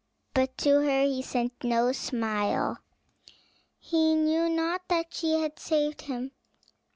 But to her he sent no smile; he knew not that she had saved him.